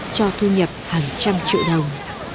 cho thu nhập hàng trăm triệu đồng